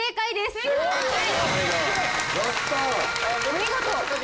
お見事！